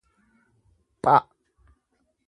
ph